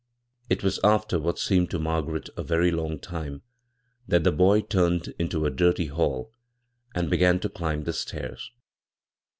It was after what seemed to Margaret a very long time that the boy turned into a dirty hall and began to climb the stairs.